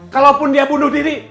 kalaupun dia bunuh diri